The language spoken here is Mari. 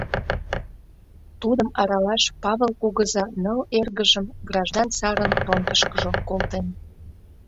Тудым аралаш Павыл кугыза ныл эргыжым граждан сарын фронтышкыжо колтен.